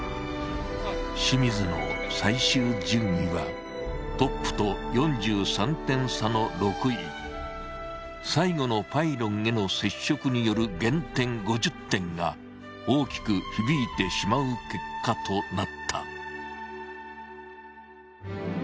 清水の最終順位はトップと４３点差の６位。最後のパイロンへの接触による減点５０点が大きく響いてしまう結果となった。